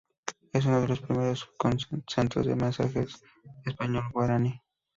Es uno de los primeros centros del mestizaje español-guaraní.